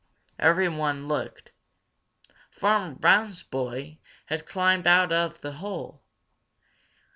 Everybody looked. Farmer Brown's boy had climbed out of the hole.